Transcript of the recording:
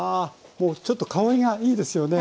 もうちょっと香りがいいですよね！